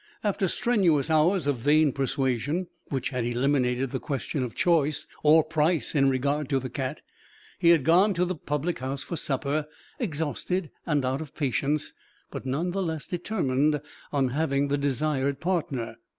After strenuous hours of vain persuasion, which had eliminated the question of choice or price in regard to the cat, he had gone to the public house for supper, exhausted and out of patience, but none the less determined on having the desired "partner."